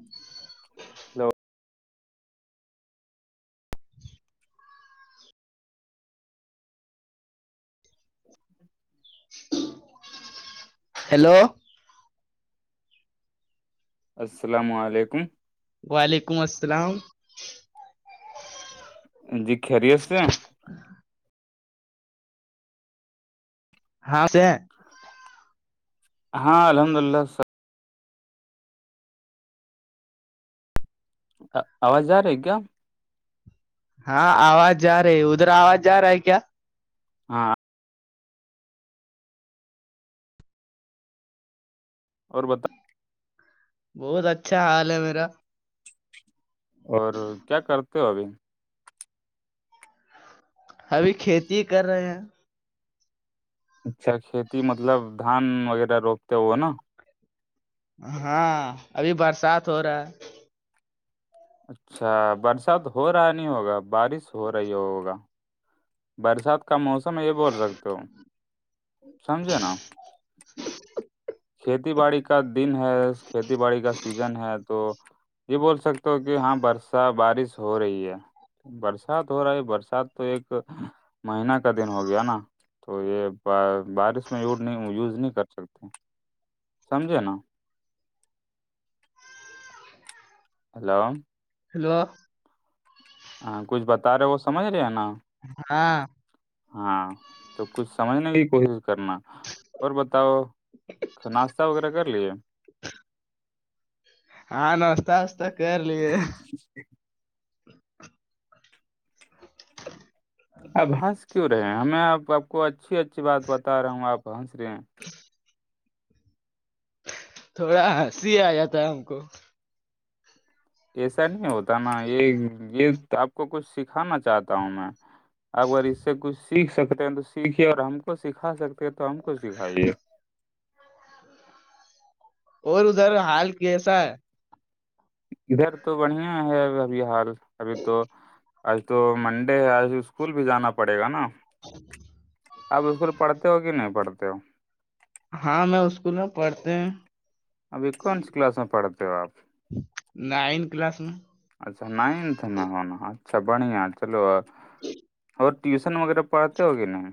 [unintelligible] [inaudible] اچ ہیلو السلام علیکم وعلیکم السلام جی کریی اے ہیں [unintelligible] ہاں سے ہاں الحمد للہ سب۔ آواز جا رہی ہے کیا ہاں آواز جا رہی ہے ادھر آواز جا رہا ہے کیا ہاں اور بتا بہت اچھا حال ہے میرا اور کیا کرتے ہو ابھی ابھی کھیتی ہی کر رہے ہیں اچھا کھیتی مطلب دھان وغیرہ روکتے ہوئے نا ہاں ابھی برسات ہو رہا ہے اچھا برسات ہو رہا نہیں ہوگا بارش ہو رہی ہوگا برسات کا موسم یہ بول سکتے ہو سمجھے نا [inaudible] کھیتی باڑی کا دن ہے کھیتی باڑی کا سیزن ہے تو یہ بول سکتے ہو کہ ہاں برسا بارش ہو رہی ہے برسات ہو رہا ہے برسات تو ایک مہینہ کا دن ہو گیا نا تو یہ بارش میں یوز نہیں کر سکتے سمجھے نا ہلو ہیلو ہاں کچھ بتا رہے وہ سمجھ رہے ہیں نا ہاں ہاں تو کچھ سمجھنے کی کوشش کرنا اور بتاؤ ناشہ وغیرہ کر لیے ہاں ناستا وستا کر لیے جی اپ ہنس کیوں رہے ہمیں آپ آپ کو اچھی اچھی بات بتا رہا ہوں آپ ہنس رہے ہیں تھوڑا ہنسی آ جاتا ہے ہم کو ایسا نہیں ہوتا نا یہ یہ آپ کو کچھ سکھانا چاہتا ہوں میں اگر اس سے کچھ سیکھ سکتے ہیں تو سیکھے اور ہم کو سکھا سکتے تو ہم کچھ دکھائیے اور ادھر حال کیسا ہے ادھر تو بڑھیا ہے ابھی حال ابھی تو آج تو منڈے ہے آج اسکول بھی جانا پڑے گا نا ج [unintelligible] آپ اسکول پڑھتے ہو کہ نہیں پڑھتے ہو ہاں میں اسکول میں پڑھتے ہیں ابھی کون سی کلاس میں پڑھتے ہو آپ نائن کلاس میں اچھا نائنتھ میں ہونا اچھا بڑھیا چلو جی [unintelligible] اور ٹیوشن وغیرہ پڑھتے ہوگے نہیں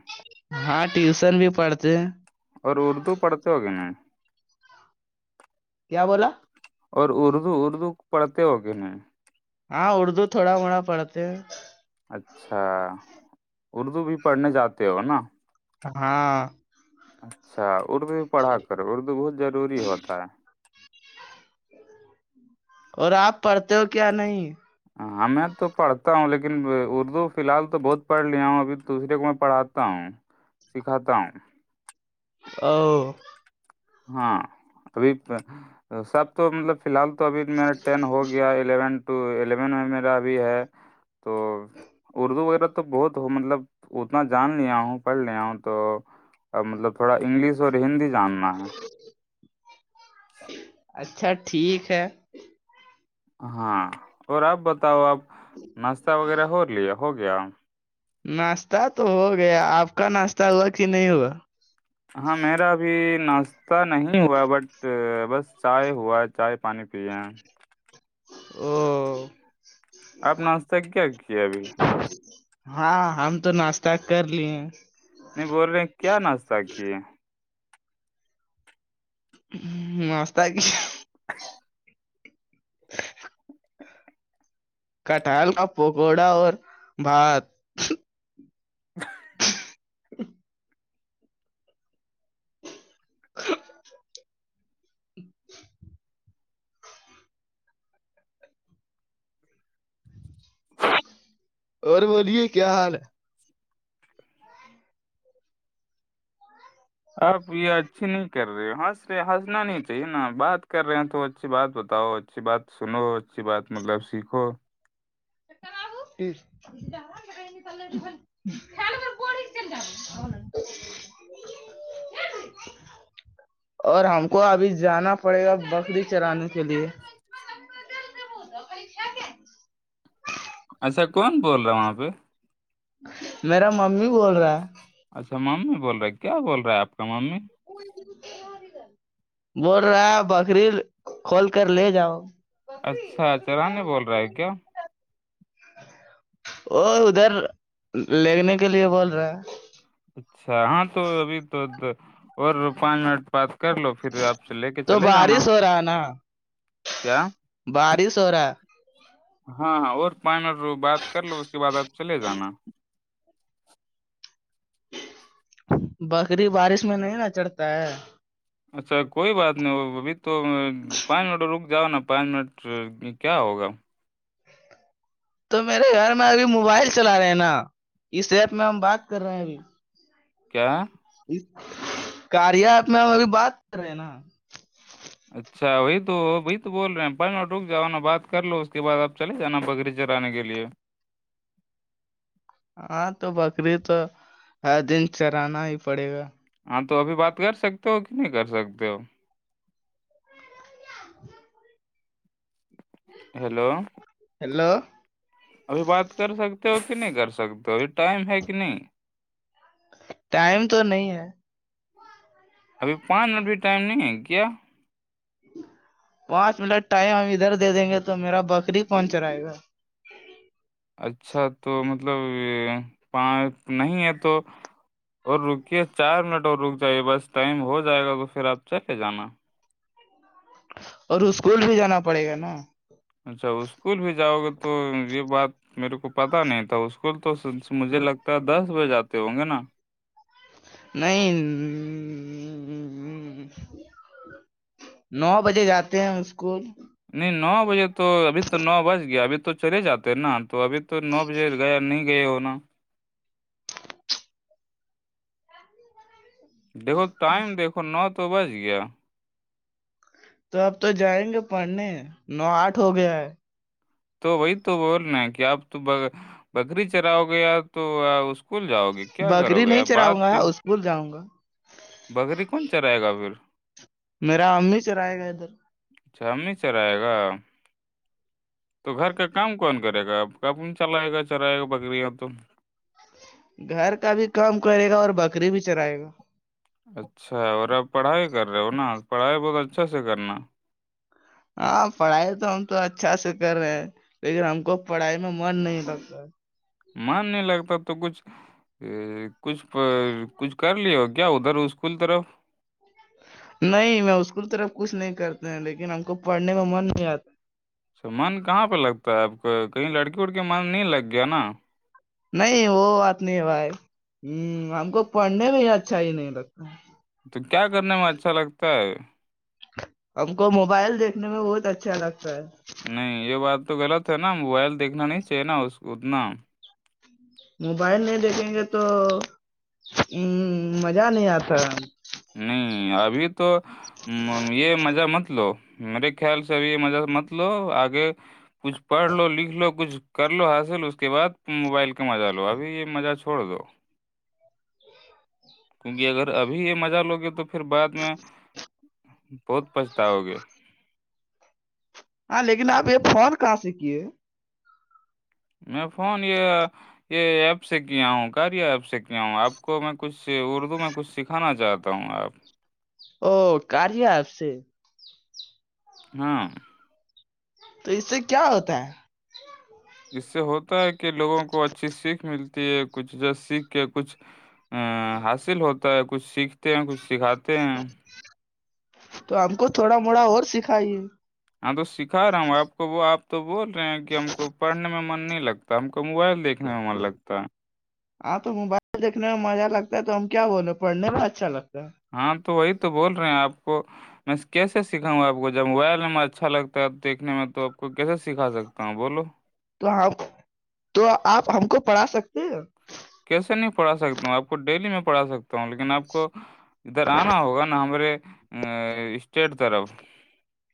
ہاں ٹیوشن بھی پڑھتے ہیں اور اردو پڑھتے ہوگے نا کیا بولا اور اردو اردو پڑھتے ہو کے نہیں ہاں اردو تھوڑا تھوڑا پڑھتے ہیں اچھا اردو بھی پڑھنے جاتے ہو نا ہاں اچھا اردو بھی پڑھا کر اردو بہت ضروری ہوتا ہے اور آپ پڑھتے ہو کیا نہیں ہاں میں تو پڑھتا ہوں لیکن اردو فی الحال تو بہت پڑھ لیا ہوں ابھی دوسرے کو میں پڑاتا ہوں سکھاتا ہوں اوہ ہاں ابھی سب تو مطلب فی الحال تو ابھی میرا ٹین ہو گیا الیون ٹو الیون میں میرا ابھی ہے تو اردو وغیرہ تو بہت ہو مطلب اتنا جان لیا ہوں پڑھ لیا ہوں تو اب مطلب تھوڑا انگلش اور ہندی جاننا ہے اچھا ٹھیک ہے ہاں اور آپ بتاؤ آپ ناشتہ وغیرہ ہو لیا ہو گیا ناشتہ تو ہو گیا آپ کا ناشتہ ہوا کہ نہیں ہوا ہاں میرا بھی ناس نہیں ہوا بٹ بس چائے ہوا ہے چائے پانی پیے ہیں اوہ آپ ناشتہ کیا کیاے ابھی ہاں ہم تو ناشتہ کر لیے نہیں بول رہے کیا ناشہ کیے ناستاہ کیا کٹہل کا پکوڑا اور بھات ہ [unintelligible] ہ [unintelligible] اور بولیے کیا حال ہے آپ یہ اچھی ہیں کیا ہنس رے ہنسنا نہیں چاہیے نا بات کر رہے ہیں تو اچھی بات بتاؤ اچھی بات سنو اچھی بات مطلب سیکھو کر پھر [unintelligible] خل ج [unintelligible] ج [unintelligible] اور ہم کو ابھی جانا پڑے گا بکری چرانے کے لیے اچھا کون بول رہا ہ وہاں پہ میرا ممی بول رہا ہے اچھا ماممی بول رہے ہیں کیا بول رہا آپ کا مامی بول رہا ہے بکریر کھول کر لے جاؤ اچھاچرے بول رہا ہے کیا وہ ادھر لگنے کے لیے بول رہے ہیں اچھا ہاں تو ابھی تو اور پانچ منٹ بات کر لو پھر آپ سے لے کے تو چلے جانا بارش ہو رہا ہے نا کیا بارش ہورا ہاں ہاں اور پان بات کر لو اس کے بعد اب چلے جانا بکری بارش میں نہیں نا چڑھتا ہے اچھا کوئی بات نہیں وہ ابھی تو پانچ منٹ رک جاؤ نا پانچ منٹ کیا ہوگا تو میرے گھر میں ابھی موبائل چلا رہے ہیں نا اس ایپ میں ہم بات کر رہے ہیں ابھی کیا اس کاریات میں ہم ابھی بات کر رہے ہیں نا اچھا وہی تو وہی تو بول رہے ہیں پ رک جاؤا بات کر لو اس کے بع اب چلے جانا بغری جرانے کے لیے ہاں تو بکری تو ہر دن چرانا ہی پڑے گا ہاں تو ابھی بات کر سکتے ہو کہ نہیں کر سکتے ہو ہیلو ہیلو ابھی بات کر سکتے ہو کہ نہیں کر سکتے ہو ابھی ٹائم ہے کہ نہیں ٹائم تو نہیں ہے ابھی پانچ منٹ بھی ٹائم نہیں ہے کیا پانچ منٹ ٹائم ہم ادھر دے دیں گے تو میرا بکری کوہنچ رہے گا اچھا تو مطلب پانچ نہیں ہے تو اور رکیے چار منٹ اور رک جائیے بس ٹائم ہو جائے گا تو پھر آپ چلے جانا اور اسکول بھی جانا پڑے گا نا اچھا اسکول بھی جاؤ گے تو یہ بات میرے کو پتا نہیں تھا اسکول تو مجھے لگتا ہے دس بجے آتے ہوں گے نا نہیں نو بجے جاتے ہیں اسکول نہیں نو بجے تو ابھی تو نو بج گیا ابھی تو چلے جاتے نا تو ابھی تو نو بجے گیا نہیں گئے ہونا دیکھو ٹائم دیکھو نو تو بج گیا تو اب تو جائیں گے پڑھنے نو آٹھ ہو گیا ہے تو وہی تو بول رہ کہ آپ تو بکری چراؤ گے تو اسکول جاؤ گے کیا کرو گے بات پھر بھول جاؤں گا بکری کون چرائے گا پھر میرا امی چرائے گا ادھر اچھا ہی سےر آئے گا تو گھر کا کام کون کرے گا آپ کب چلائے گا چلائے گا بکری یہ تو گھر کا بھی کام کرے گا اور بکری بھی چرائے گا اچھا اور آپ پڑھائی کر رہے ہو نا پڑھائی بہت اچھا سے کرنا ہاں پڑھائی تو ہم تو اچھا سے کر رہے ہیں لیکن ہم کو پڑھائی میں من نہیں لگتا ہے مان نہیں لگتا تو کچھ کچھ کچھ کر ل ہو کیا ادھر اس اسکول طرف نہیں میں اسکول طرف کچھ نہیں کرتے ہیں لیکن ہم کو پڑھنے میں من نہیں آتا اچھا من کہاں پہ لگتا ہے آپ کو کہیں لڑکی وڑکی من نہیں لگ گیا نا نہیں وہ بات نہیں بھائی ہ ہم کو پڑھنے میں ہی اچھا ہی نہیں لگتا تو کیا کرنے میں اچھا لگتا ہے ہم کو موبائل دیکھنے میں بہت اچھا لگتا ہے نہیں یہ بات تو غلط ہے نا موبائل دیکھنا نہیں چاہیے نا اس اتنا موبائل نہیں دیکھیں گے تو ا مزہ نہیں آتا نہیں ابھی تو [unintelligible] یہ مزہ مت لو میرے خیال سے اب یہ مزہ مت لو آگے کچھ پڑھ لو لکھ لو کچھ کر لو حاصل اس کے بعد موبائل کا مزہ لو ابھی یہ مزہ چھوڑ دو کیونکہ اگر ابھی یہ مزہ لوگے تو پھر بعد میں بہت پچھتاؤ گے ہاں لیکن اب یہ فون کہاں سے کیے [unintelligible] میں فون یہ یہ ایپ سے کیا ہوں کیا ایپ سے کیا کیا ہوں آپ کو میں کچھ اردو میں کچھ سکھانا چاہتا ہوں آپ او کاریا آپ سے [unintelligible] ہاں تو اس سے کیا ہوتا ہے [unintelligible] اس سے ہوتا ہے کہ لوگوں کو اچھی سیکھ ملتی ہے کچھ جس سیکھ کے کچھ ا حاصل ہوتا ہے کچھ سیکھتے ہیں کچھ سکھاتے ہیں تو ہم کو تھوڑا موڑا اور سکھائیے ہاں تو سکھا رہا ہوں آپ کو وہ آپ تو بول رہے ہیں کہ ہم کو پڑھنے میں من نہیں لگتا ہم کو موبائل دیکنے میں من لگتا ہے ہاں تو موبائل دیکھنے میں مزہ لگتا ہے تو ہم کیا بولے پڑھنے میں اچھا لگتا ہے ہاں تو وہی تو بول رہے ہیں آپ کو میں کیسے سکھاؤں گ آپ کو جب موبائل نمر اچھا لگتا ہے دیکھنے میں تو آپ کو کیسے سکھا سکتا ہوں بولو تو ہم تو آپ ہم کو پڑھا سکتے ہیں کیسے نہیں پڑھا سکتا ہوں آپ کو ڈیلی میں پڑھا سکتا ہوں لیکن آپ کو ادھر آنا ہوگا نا ہمارے ا [unintelligible] اسٹ طرف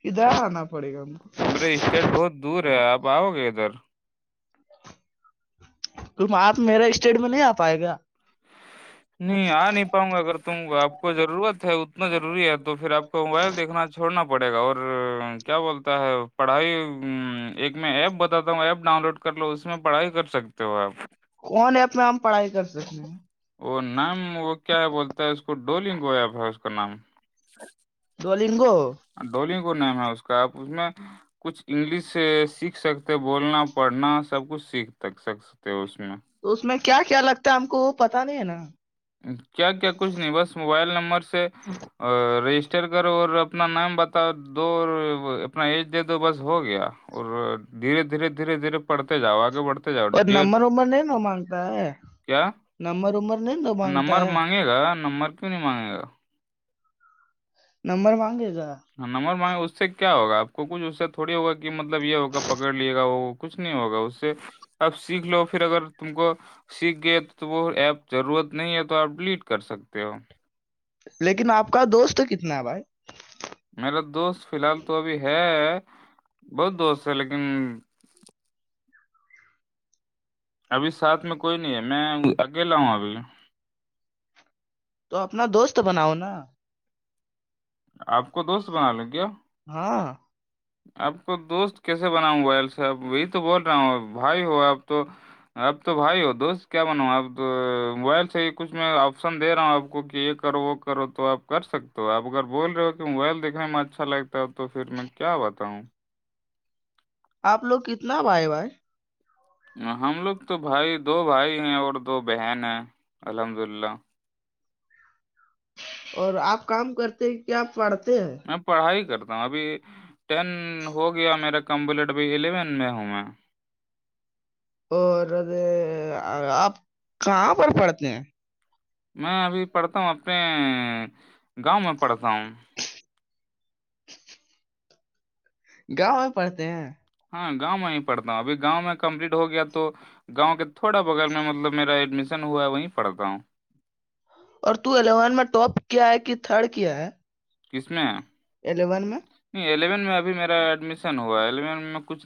ادھر آنا پڑے گا ہم کو امر اسٹیٹ بہت دور ہے آپ آؤ گے ادھر [unintelligible] ت آپ میرا اسٹیٹ میں نہیں آ پائے گا [unintelligible] نہیں آ نہیں پاؤں گا اگر تم آپ کو ضرورت ہے اتنا ضروری ہے تو پھر آپ کو موبائل دیکھنا چھوڑنا پڑے گا اور کیا بولتا ہے پڑھائی ایک میں ایپ بتاتا ہوں ایپ ڈاؤن لوڈ کر لو اس میں پڑھائی کر سکتے ہو آپ کون ہے اپنا ہم پڑھائی کر سکتے ہیں وہ نام وہ کیا بولتا ہے اس کو ڈولنگویا اس کا نام ڈولنگو ڈولگ کو نم ہے اس کا اپ اس میں [unintelligible] کچھ انگلش سیکھ سکتے بولنا پڑھنا سب کچھ سیکھک سکتے اس میں تو اس میں کیا کیا لگتا ہے ہم کو وہ پتا نہیں ہے نا کیا کیا کچھ نہیں بس موبائل نمبرس سے رجسٹر کرو اور اپنا نام بتاؤ دو اور اپ اپنا ایج دے دو بس ہو گیا اور دھیرے دھیرے دھیرے دھیرے پڑھتے جاؤ آگے بڑھتے جاؤ اور یہ نمر ومر نہیں ن مانگتا ہے کیا نمبر ومبر نہیں تو مانگتا نمبر ہے مانگے گا نمبر کیوں نہیں مانگے گا نمبر مانگے گا ہ نمبر مائ اس سے کیا ہوگا آپ کو کچھ اس سے تھوڑی ہوگا کہ مطلب یہ ہوگا پکڑ لیے گا وہ کچھ نہیں ہوگا اس سے آپ سیکھ لو پھر اگر تم کو سیکھ گئے تو تو وہ ایپ ضرورت نہیں ہے تو آپ ڈیلیٹ کر سکتے ہو لیکن آپ کا دوست کتنا ہے بھائی میرا دوست فی الحال تو ابھی ہے بہت دوست ہے لیکن ابھی ساتھ میں کوئی نہیں ہے میں اکیلاا ہؤں ابھی تو اپنا دوست بناؤ نا آپ کو دوست بنا لیں کیا ہاں آپ کو دوست کیسے بناؤں موبائل سےاحب وہی تو بول رہا ہوں بھائی ہو اب تو اپ تو بھائی ہو دوست کیا بناؤ آپ تو موبائل سے ہی کچھ میں آپشن دے رہا ہوں آپ کو کہ یہ کرو وہ کرو تو آپ کر سکتے تو آپ اگر بول رہے ہو کہ موبائل دیکھنے میں اچھا لگتا ہے تو پھر میں کیا بتاؤں آپ لوگ کتنا بھائے بھائے ہم لوگ تو بھائی دو بھائی ہیں اور دو بہن ہیں الحمد للہ اور آپ کام کرتے ہیں کیا پڑھتے ہیں میں پڑھائی کرتا ہوں ابھی ٹین ہو گیا میرا کمپلیٹ اب الیون میں ہوں میں اور آپ کہاں پر پڑتے ہیں میں ابھی پڑھتا ہوں اپنے گاؤں میں پڑھتا ہوں گاؤں میں پڑھتے ہیں ہاں گاؤں میں ہی پڑتا ہوں ابھی گاؤں میں کمپلیٹ ہو گیا تو گاؤں کے تھوڑا بغیر میں مطلب میرا ایڈمیشن ہوا وہیں پڑھتا ہوں اور تو الیون میں ٹاپ کیا ہے کہ تھرڈ کیا ہے کس میں الیون میں نہیں الیون میں ابھی میرا ایڈمیشن ہوا ہے الیون میں کچھ نہیں